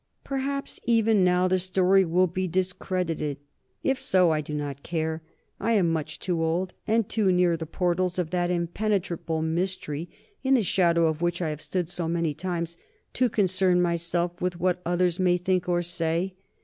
Perhaps even now the story will be discredited; if so, I do not care. I am much too old, and too near the portals of that impenetrable mystery, in the shadow of which I have stood so many times, to concern myself with what others may think or say.